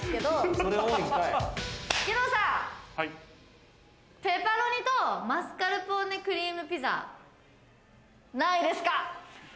義堂さん、ペパロニとマスカルポーネクリームのピザ、何位ですか？